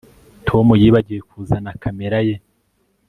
Tom yibagiwe kuzana kamera ye